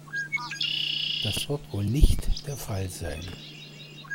Das wird wohl nicht der Fall sein.